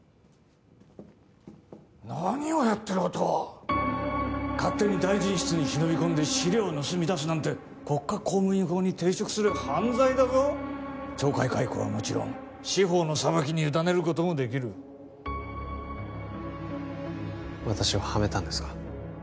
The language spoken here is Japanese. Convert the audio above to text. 何をやってる音羽勝手に大臣室に忍び込んで資料を盗み出すなんて国家公務員法に抵触する犯罪だぞ懲戒解雇はもちろん司法の裁きに委ねることもできる私をハメたんですか？